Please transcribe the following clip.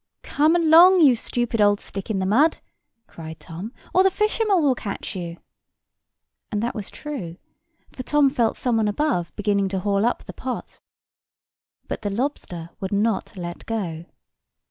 "Come along, you stupid old stick in the mud," cried Tom, "or the fisherman will catch you!" And that was true, for Tom felt some one above beginning to haul up the pot. [Picture: Tom and the lobster] But the lobster would not let go.